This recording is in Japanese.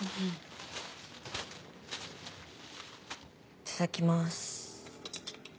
いただきます。